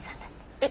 えっ？